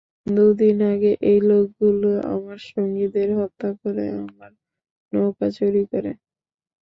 দু দিন আগে এই লোকগুলো আমার সঙ্গীদের হত্যা করে আমার নৌকা চুরি করে।